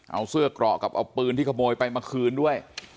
เอาเสื้อเกราะกับเอาปืนที่ขโมยไปมาคืนด้วย